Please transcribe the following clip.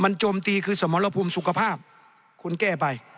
มันโจมตีคือสมรภูมิสุขภาพคุณแก้ไป